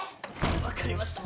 ・わかりました。